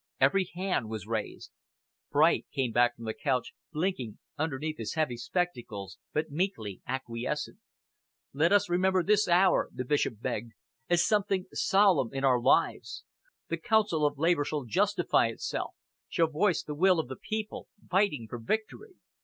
Every hand was raised. Bright came back from the couch, blinking underneath his heavy spectacles but meekly acquiescent. "Let us remember this hour," the Bishop begged, "as something solemn in our lives. The Council of Labour shall justify itself, shall voice the will or the people, fighting for victory."